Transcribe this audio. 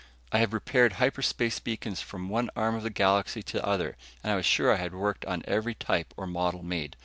I have repaired hyperspace beacons from one arm of the Galaxy to the other and was sure I had worked on every type or model made.